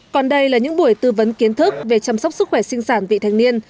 còn đây là những buổi tư vấn kiến thức về chăm sóc sức khỏe sinh sản vị thanh niên